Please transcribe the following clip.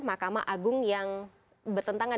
makam agung yang bertentangan